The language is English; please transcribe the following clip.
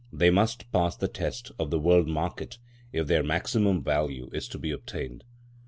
They must pass the test of the world market, if their maximum value is to be obtained.